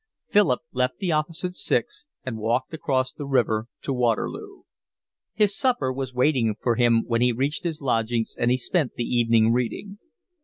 Philip left the office at six and walked across the river to Waterloo. His supper was waiting for him when he reached his lodgings and he spent the evening reading.